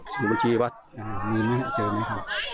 มีคุณต้องเจอไหมครับ